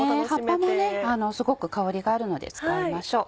葉っぱもすごく香りがあるので使いましょう。